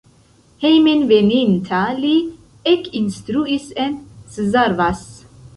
Hejmenveninta li ekinstruis en Szarvas.